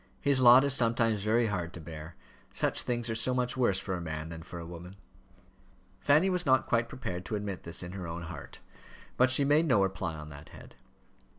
His lot is sometimes very hard to bear: such things are so much worse for a man than for a woman." Fanny was not quite prepared to admit this in her own heart, but she made no reply on that head.